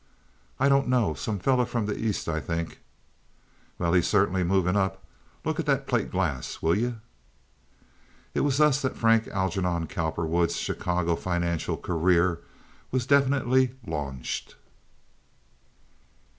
"I don't know. Some fellow from the East, I think." "Well, he's certainly moving up. Look at the plate glass, will you?" It was thus that Frank Algernon Cowperwood's Chicago financial career was definitely launched.